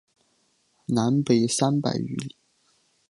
南北三百余里。